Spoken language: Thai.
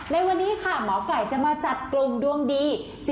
ในวันนี้ค่ะหมอไก่จะมาจัดกลุ่มดวงดี